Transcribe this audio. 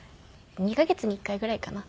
２カ月に１回ぐらいかな？